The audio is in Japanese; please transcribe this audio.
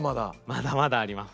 まだまだあります。